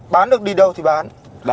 bán được đi đâu thì bán